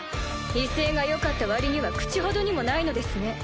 威勢がよかった割には口ほどにもないのですね。